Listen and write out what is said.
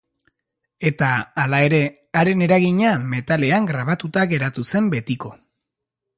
Eta, hala ere, haren eragina metalean grabatuta geratu zen betiko.